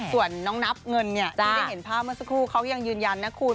ส่วนน้องนับเงินเนี่ยที่ได้เห็นภาพเมื่อสักครู่เขายังยืนยันนะคุณ